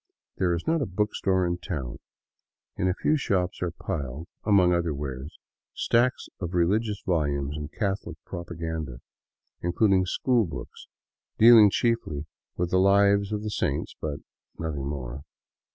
There is not a bookstore in town. In a few shops are piled, among other wares, stacks of religious volumes and Catholic propaganda, including school books dealing chiefly with the lives of the saints ; but nothing more.